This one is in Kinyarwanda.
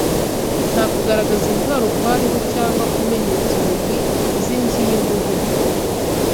Nta kugaragaza intwaro kwariho cyangwa kumena inzugi z’inzu y’imbohe